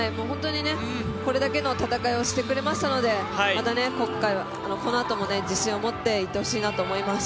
これだけの戦いをしてくれましたので、またこのあとも自信を持っていってほしいなと思います。